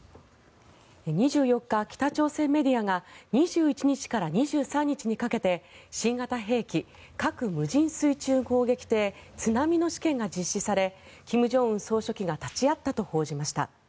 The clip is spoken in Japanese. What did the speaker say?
２４日、北朝鮮メディアが２１日から２３日にかけて新型兵器核無人水中攻撃艇「津波」の試験が実施され金正恩総書記が立ち会ったと報じました。